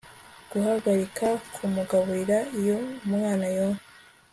guhagarika kumugaburira iyo umwana yonka